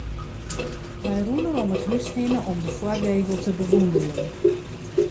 Wy rûnen om it hús hinne om de foargevel te bewûnderjen.